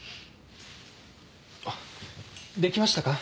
あっできましたか？